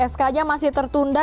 sk nya masih tertunda